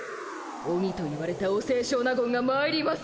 オニと言われたお清少納言がまいります。